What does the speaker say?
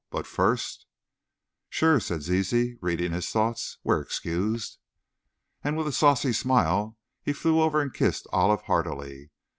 But first " "Sure!" said Zizi, reading his thoughts; "we're excused!" And with a saucy smile, she flew over and kissed Olive heartily.